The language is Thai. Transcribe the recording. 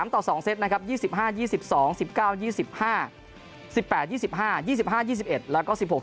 ต่อ๒เซตนะครับ๒๕๒๒๑๙๒๕๑๘๒๕๒๕๒๑แล้วก็๑๖